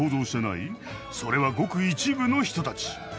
それはごく一部の人たち。